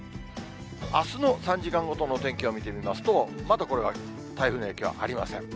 あすの３時間ごとのお天気を見てみますと、まだこれは、台風の影響はありません。